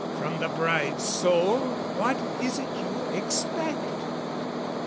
"From the bride's soul what is it you expect?"